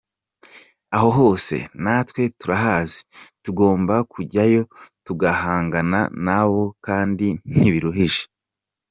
Aho hose natwe turahazi, tugomba kujyayo tugahangana nabo kandi ntibiruhije.